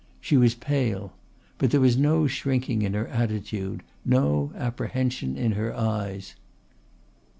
She was pale, but there was no shrinking in her attitude no apprehension in her eyes.